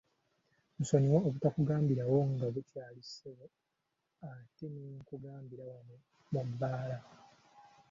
Nsonyiwa obutakugambirawo nga bukyali ssebo ate ne nkugambira wano mu bbaala.